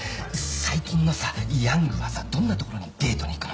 最近のさヤングはさどんな所にデートに行くの？